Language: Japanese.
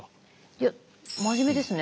いや真面目ですね。